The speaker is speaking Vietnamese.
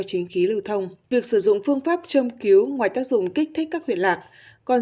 chính khí lưu thông việc sử dụng phương pháp châm cứu ngoài tác dụng kích thích các huyện lạc còn